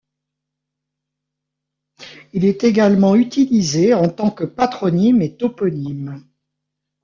Il est également utilisé en tant que patronyme et toponyme.